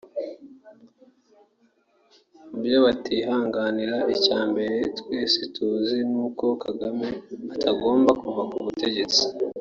mu byo batihanganira icyambere twese tuzi nuko Kagame atagomba kuva ku butegetsi